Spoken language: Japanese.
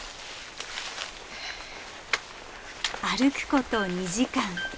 歩くこと２時間。